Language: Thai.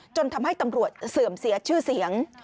จนทำให้ตำรวจเสื่อมเสียชื่อเสียง